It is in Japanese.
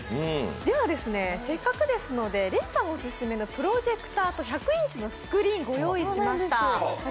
せっかくですのでレイさんオススメのプロジェクターと１００インチのスクリーンをご用意しました。